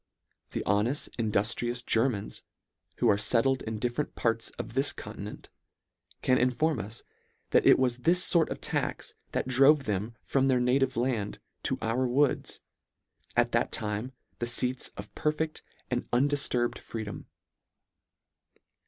The honeft induftrious Germans who are fettled in different parts of this continent can in form us, that it was this fort of tax that drove them from their native land to our woods, at that time the feats of perfect and undifturbed freedom.